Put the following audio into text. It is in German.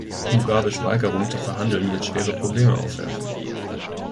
Mugabes Weigerung zu verhandeln, wird schwere Probleme aufwerfen.